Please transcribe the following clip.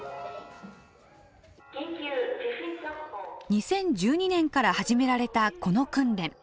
２０１２年から始められたこの訓練。